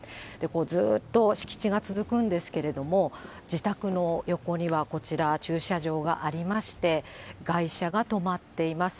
ずっと敷地が続くんですけども、自宅の横にはこちら、駐車場がありまして、外車が止まっています。